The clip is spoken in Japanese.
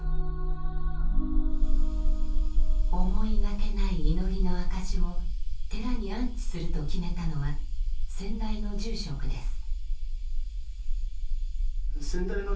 思いがけない祈りの証しを寺に安置すると決めたのは先代の住職です。